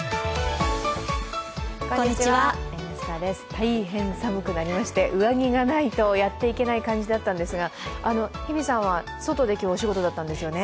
大変寒くなりまして、上着がないとやっていけない感じだったんですが、日比さんは外で今日、お仕事だったんですよね？